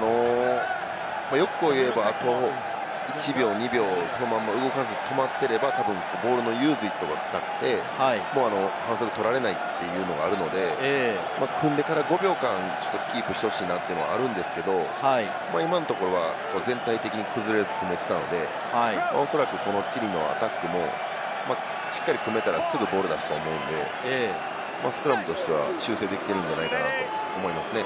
そうですね、欲を言えばあと１秒２秒、そのまま動かず止まっていれば、たぶんボールのユーズイットがかかって、反則を取られないというのがあるので、組んでから５秒間キープしてほしいなというのがあるんですけれども、今のところは全体的に崩れず組めていたので、おそらくチリのアタックもしっかり組めたらすぐボールを出すと思うので、スクラムとしては修正できてるんじゃないかなと思いますね。